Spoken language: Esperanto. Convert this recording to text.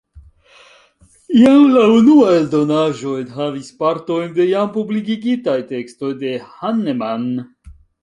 Jam la unua eldonaĵo enhavis partojn de jam publikigitaj tekstoj de Hahnemann.